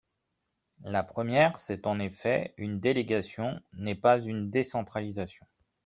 La première, c’est qu’en effet, une délégation n’est pas une décentralisation.